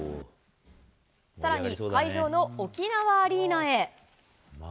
さらに、会場の沖縄アリーナへ。